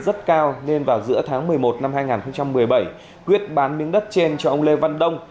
đất phú quốc rất cao nên vào giữa tháng một mươi một năm hai nghìn một mươi bảy quyết bán miếng đất trên cho ông lê văn đông